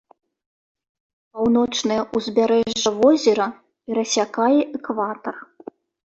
Паўночнае ўзбярэжжа возера перасякае экватар.